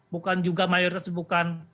bukan juga mayoritas bukan